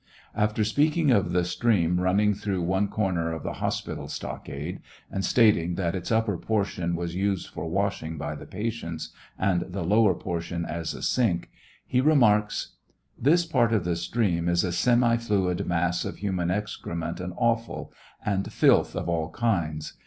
After speaking of the stream running through one corner of the hospital stockade, and stating that its upper portion was used for washing by the patients, and the lower portion as a sink, he remarks : This partof the stream is a semi fluid mass of human excrement, and offal, and filth of all kinds.